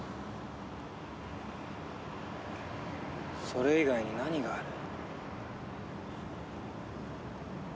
それ以外に何がある？